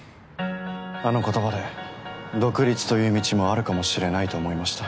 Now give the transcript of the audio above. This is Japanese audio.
あの言葉で独立という道もあるかもしれないと思いました。